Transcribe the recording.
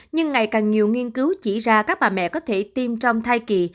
nhưng ngày càng nhiều nghiên cứu chỉ ra các bà mẹ có thể tiêm trong thai kỳ